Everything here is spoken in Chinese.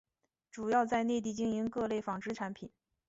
主要在内地经营各类纺织产品。